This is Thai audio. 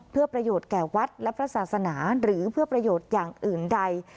เพื่อประโยชน์แก่วัดและพระศาสนาหรือเพื่อประโยชน์อย่างอื่นใด